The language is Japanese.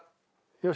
よし。